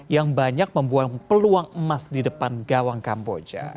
yang banyak membuang peluang emas di depan gawang kamboja